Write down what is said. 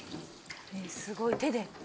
すごい手で。